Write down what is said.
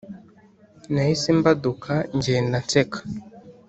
nahise mbaduka ngenda nseka